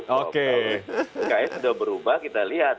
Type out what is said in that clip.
kalau pks sudah berubah kita lihat